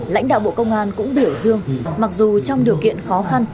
lãnh đạo bộ công an cũng biểu dương mặc dù trong điều kiện khó khăn